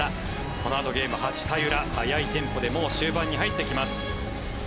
このあとゲーム８回裏速いテンポでもう終盤に入っていきます。